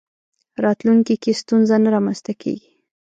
راتلونکي کې ستونزه نه رامنځته کېږي.